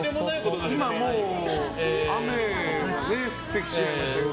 雨降ってきちゃいましたけど。